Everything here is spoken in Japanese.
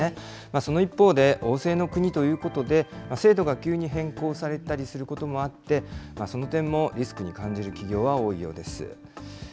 その一方で、王制の国ということで制度が急に変更されたりすることもあって、その点もリスクに感じる企業は多いようです。